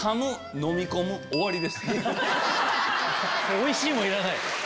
「おいしい」もいらない。